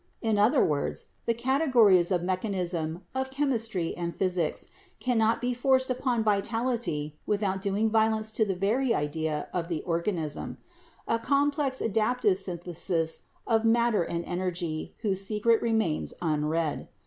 In other words, the categories of mechanism, of chemistry and physics, cannot be forced upon vitality without doing violence to the very idea of the organism — a complex adaptive synthesis of matter and energy whose secret remains unread.